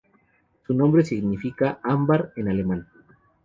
Su nombre significa "ámbar" en alemán.